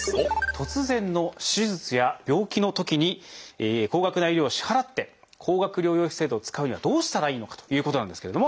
突然の手術や病気のときに高額な医療費を支払って高額療養費制度を使うにはどうしたらいいのかということなんですけれども。